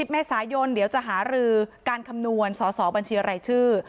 เมษายนเดี๋ยวจะหารือการคำนวณสอสอบัญชีรายชื่อ